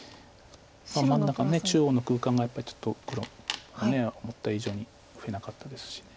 真ん中の中央の空間がやっぱりちょっと黒が思った以上に増えなかったですし。